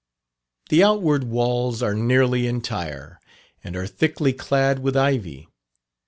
The outward walls are nearly entire, and are thickly clad with ivy.